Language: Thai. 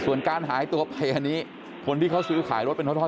ส่วนการหายตัวไปอันนี้คนที่เขาซื้อขายรถเป็นทอด